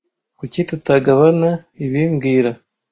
Kuki tutagabana ibi mbwira